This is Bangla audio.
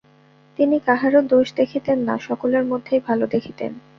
তিনি কাহারও দোষ দেখিতেন না, সকলের মধ্যেই ভাল দেখিতেন।